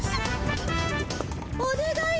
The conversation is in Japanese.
おねがい！